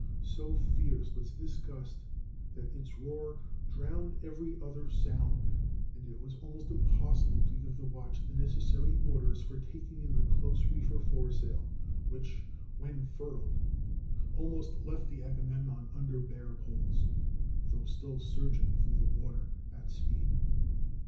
So fierce was this gust that its roar drowned every other sound, and it was almost impossible to give the watch the necessary orders for taking in the close reefer foresail, which, when furled, almost left the Agamemnon under bare poles, though still surging through the water at speed.